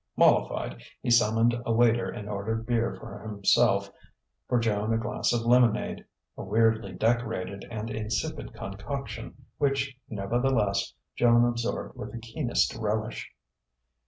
Mollified, he summoned a waiter and ordered beer for himself, for Joan a glass of lemonade a weirdly decorated and insipid concoction which, nevertheless, Joan absorbed with the keenest relish.